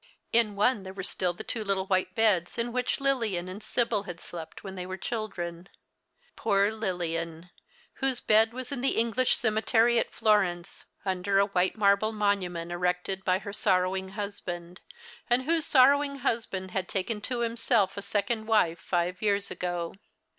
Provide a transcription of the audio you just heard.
In one there were still the two little white beds in which Lilian and Sibyl had slept when they were children ; poor Lilian, whose bed was in the English cemetery at Florence, under a white IN EAST LONDON. 90 The Christmas Hirelings. marble mouiiment erected by lier sorrowing husband, and whose sorrowing husband had taken to himself a second wife five years ago.